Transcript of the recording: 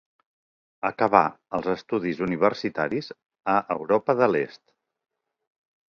Acabà els estudis universitaris a Europa de l'Est.